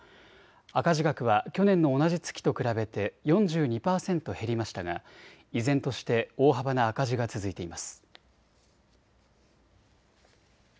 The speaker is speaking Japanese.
赤字額は去年の同じ月と比べて４２％減りましたが、依然として大幅な赤字が続いています。